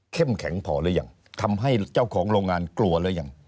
แข็งพอหรือยังทำให้เจ้าของโรงงานกลัวหรือยัง